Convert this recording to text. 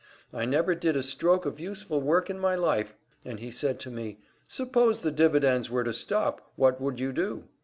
I never did a stroke of useful work in my life.' And he said to me, `Suppose the dividends were to stop, what would you do?